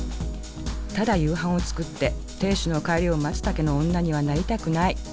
「ただ夕飯を作って亭主の帰りを待つだけの女にはなりたくない！」。